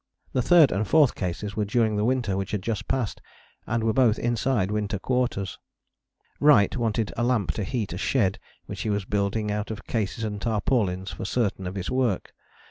The third and fourth cases were during the winter which had just passed, and were both inside Winter Quarters. Wright wanted a lamp to heat a shed which he was building out of cases and tarpaulins for certain of his work.